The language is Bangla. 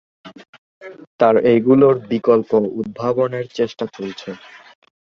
তাই এগুলোর বিকল্প উদ্ভাবনের চেষ্টা চলছে।